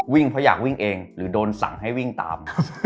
เพราะอยากวิ่งเองหรือโดนสั่งให้วิ่งตาม